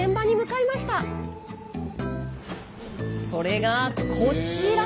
それがこちら。